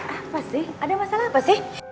apa sih ada masalah apa sih